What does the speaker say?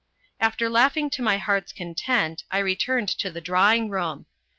After laughing to my heart's content I returned to the drawing room.